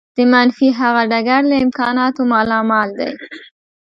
د منفي هغه ډګر له امکاناتو مالامال دی.